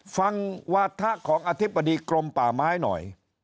ฟังวาถะของอธิบดีกรมป่าไม้หน่อย